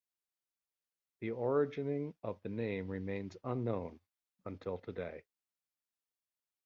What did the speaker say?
The origing of the name remains unknown until today.